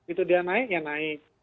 itu dia naik ya naik